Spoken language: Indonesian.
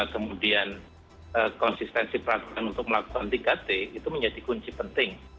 kemudian konsistensi peraturan untuk melakukan tiga t itu menjadi kunci penting